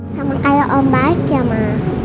sama kayak om baik ya ma